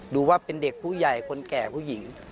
ดูว่าเป็นเด็กผู้ใหญ่คนแก่ผู้หญิง